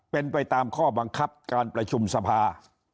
เป็นไปตามข้อบังคับการประชุมสภา